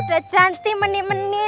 udah cantik menit menit